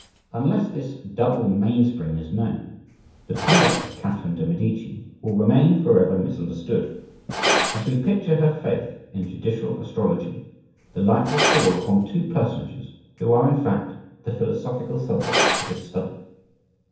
Unless this double mainspring is known, the conduct of Catherine de' Medici will remain forever misunderstood. As we picture her faith in judicial astrology, the light will fall upon two personages, who are, in fact, the philosophical subjects of this Study.